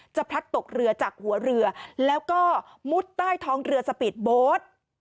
พลัดตกเรือจากหัวเรือแล้วก็มุดใต้ท้องเรือสปีดโบ๊ท